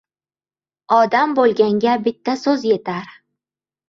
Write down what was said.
• Odam bo‘lganga bitta so‘z yetar.